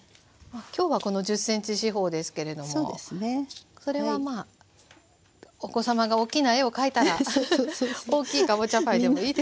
今日はこの１０ｃｍ四方ですけれどもそれはお子様が大きな絵を描いたら大きいかぼちゃパイでもいいですし。